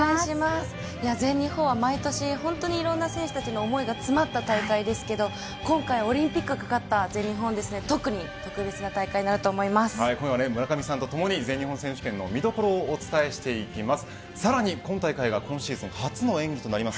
全日本は毎年本当にいろいろな選手の思いが詰まった大会ですけれど今回オリンピックが懸かった全日本ですから村上さんと共に今夜は全日本選手権の見どころをお伝えしていきます。